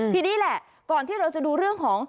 ทีนี้แหละก่อนที่เราจะดูเรื่องของ